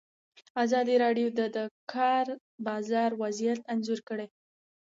ازادي راډیو د د کار بازار وضعیت انځور کړی.